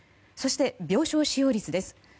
そして、病床使用率です。